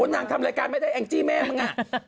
ทำรายการไม่ได้แองจี้แม่มึง